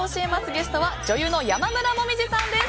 ゲストは女優の山村紅葉さんです。